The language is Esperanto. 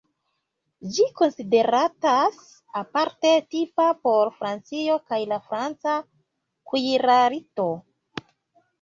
Ĝi konsideratas aparte tipa por Francio kaj la franca kuirarto.